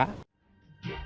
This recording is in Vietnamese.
chưa dừng lại